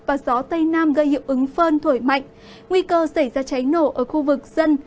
và gió tây nam gây hiệu ứng phơn thổi mạnh nguy cơ xảy ra cháy nổ ở khu vực dân